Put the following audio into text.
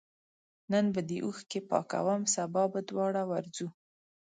نن به دي اوښکي پاکوم سبا به دواړه ورځو